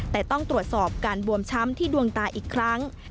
แต่ต้องตรวจสอบการบวมช้ำที่ดวงตาอีกครั้ง